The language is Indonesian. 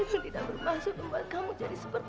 supaya suamiku jadi ikat